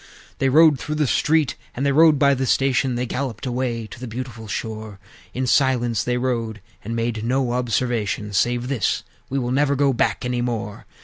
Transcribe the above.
VI. They rode through the street, and they rode by the station; They galloped away to the beautiful shore; In silence they rode, and "made no observation," Save this: "We will never go back any more!"